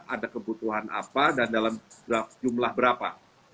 ada kebutuhan apa dan dalam jumlah berapa